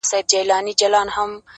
ما د هغې له سونډو څو ځلې زبېښلي شراب”